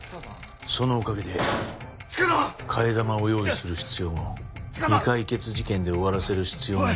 そのおかげで替え玉を用意する必要も未解決事件で終わらせる必要もなくなった。